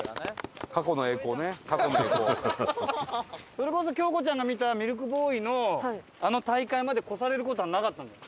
それこそ京子ちゃんが見たミルクボーイのあの大会まで超される事はなかったんだよ。